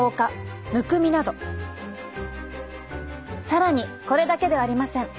更にこれだけではありません。